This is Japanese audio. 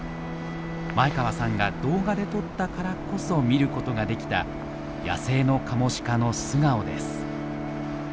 前川さんが動画で撮ったからこそ見ることができた野生のカモシカの素顔です。